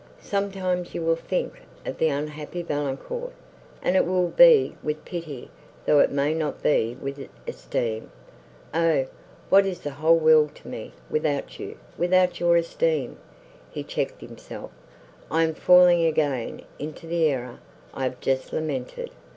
Sometimes you will think of the unhappy Valancourt, and it will be with pity, though it may not be with esteem. O! what is the whole world to me, without you—without your esteem!" He checked himself—"I am falling again into the error I have just lamented.